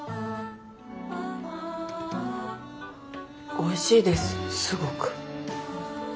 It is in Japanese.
おいしいですすごく。